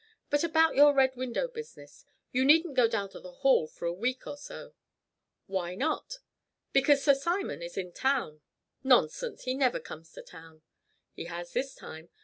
But about your Red Window business you needn't go down to the Hall for a week or so." "Why not?" "Because Sir Simon is in town." "Nonsense. He never comes to town." "He has this time.